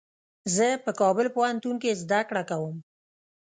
زه په کابل پوهنتون کي زده کړه کوم.